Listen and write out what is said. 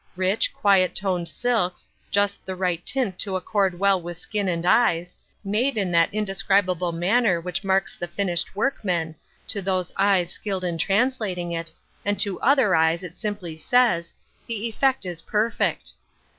Rich, quiet toned silks, just the right tint to accord well with skin and eyes, made in that indescrib able manner which marks the finished workman, to those eyes skilled in translating it, and to other eyes it simply says, " The effect is per fect."